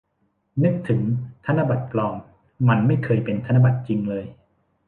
นึกถึงธนบัตรปลอม มันไม่เคยเป็นธนบัตรจริงเลย